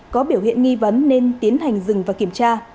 có biểu hiện nghi vấn nên tiến hành dừng và kiểm tra